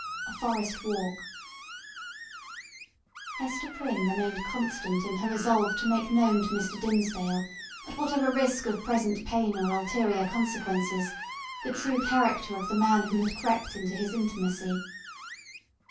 XVI. A FOREST WALK Hester Prynne remained constant in her resolve to make known to Mr. Dimmesdale, at whatever risk of present pain or ulterior consequences, the true character of the man who had crept into his intimacy.